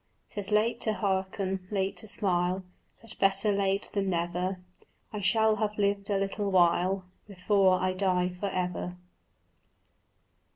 'Tis late to hearken, late to smile, But better late than never: I shall have lived a little while Before I die for ever.